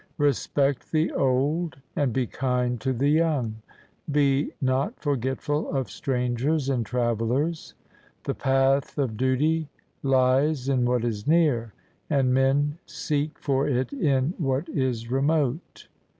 Respect the old and be kind to the young. Be not forgetful of strangers and travelers. The path of duty Hes in what is near, and men seek for it in what is remote.